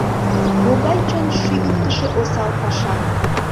Могай чон шӱйгыктышӧ осал паша!